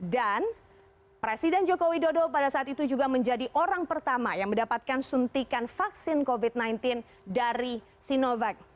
dan presiden jokowi dodo pada saat itu juga menjadi orang pertama yang mendapatkan suntikan vaksin covid sembilan belas dari sinovac